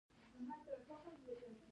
ښه فکر د بدو کارونو مخنیوی کوي.